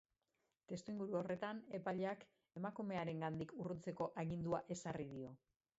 Testuinguru horretan, epaileak emakumearengandik urruntzeko agindua ezarri dio.